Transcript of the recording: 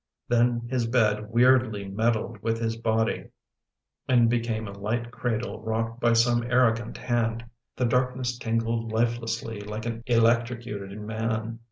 Then his bed weirdly meddled with his body and became a light cradle rocked by some arrogant hand. The dark ness tingled lifelessly, like an electrocuted man.